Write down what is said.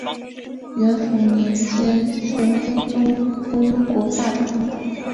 元符年间宋徽宗封雍国大长公主。